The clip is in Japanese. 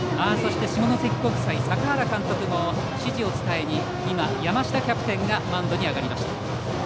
下関国際、坂原監督の指示を伝えに山下キャプテンがマウンドに上がりました。